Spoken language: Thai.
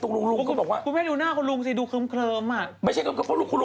น้องมาถามอะไรพี่ตัวก้นปุ๊บอย่างนี้